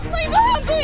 ma itu hantunya